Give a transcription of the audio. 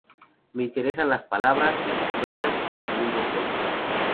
Me interesan las palabras, las historias, los mundos rotos".